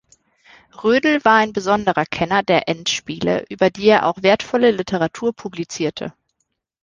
Rödl war ein besonderer Kenner der Endspiele, über die er auch wertvolle Literatur publizierte.